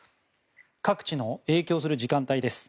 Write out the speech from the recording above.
各地の、影響する時間帯です。